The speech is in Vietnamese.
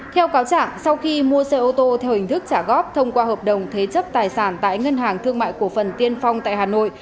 theo cáo trạng sau khi mua xe ô tô theo hình thức trả góp thông qua hợp đồng thế chấp tài sản tại ngân hàng thương mại cổ phần tiên phong tại hà nội